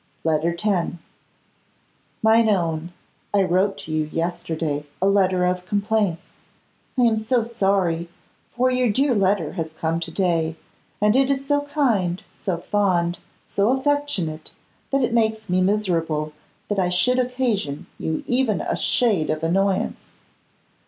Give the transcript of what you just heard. Letter X. Mine own! I wrote to you yesterday a letter of complaints. I am so sorry, for your dear letter has come to day, and it is so kind, so fond, so affectionate, that it makes me miserable that I should occasion you even a shade of annoyance.